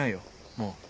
もう。